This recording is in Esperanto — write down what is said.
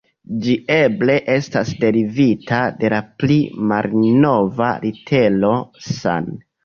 Ĝi eble estas derivita de la pli malnova litero san.